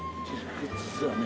実はね